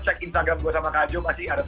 check instagram gue sama kak jo masih ada tuh